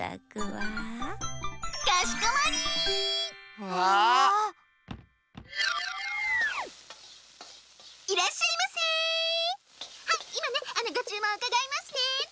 はいいまねごちゅうもんうかがいますね！